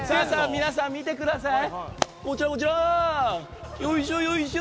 皆さん、見てください。